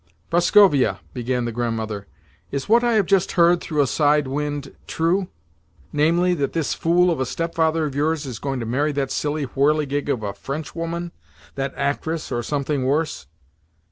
"Prascovia," began the Grandmother, "is what I have just heard through a side wind true—namely, that this fool of a stepfather of yours is going to marry that silly whirligig of a Frenchwoman—that actress, or something worse?